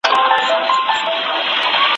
مرهم یې زخم ته درمل، زړه ته ټکور نه لري